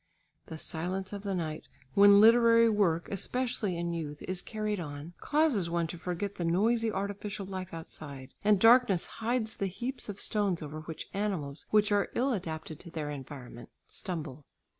The silence of the night when literary work especially in youth, is carried on, causes one to forget the noisy artificial life outside, and darkness hides the heaps of stones over which animals which are ill adapted to their environment stumble.